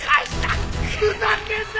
ふざけるな！